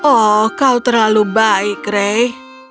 oh kau terlalu baik rey